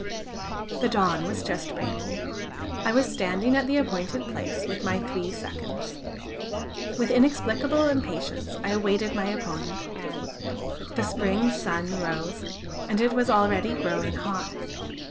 "The dawn was just breaking. I was standing at the appointed place with my three seconds. With inexplicable impatience I awaited my opponent. The spring sun rose, and it was already growing hot.